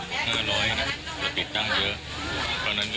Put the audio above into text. คือถ้าการสบายน้ำยังสามารถทำได้กำเนื้อในระดับอย่างนี้ทุกวัน